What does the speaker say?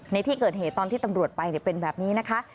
ในที่เกิดเหตุตอนที่ตำรวจไปเป็นแบบนี้นะคะ